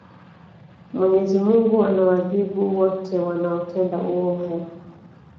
mwenyezi mungu anawaadhibu wote wanaotenda uovu